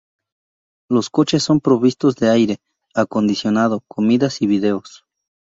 Los coches son provistos de aire acondicionado, comidas y vídeos.